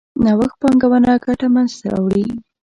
نوښت پانګونه ګټه منځ ته راوړي.